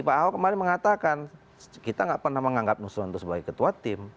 pak ahok kemarin mengatakan kita nggak pernah menganggap nusron itu sebagai ketua tim